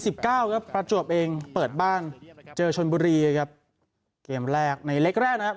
ครับประจวบเองเปิดบ้านเจอชนบุรีครับเกมแรกในเล็กแรกนะครับ